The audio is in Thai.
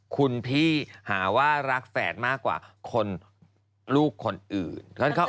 คุณพี่หาว่ารักแฝดมากกว่าคนลูกคนอื่น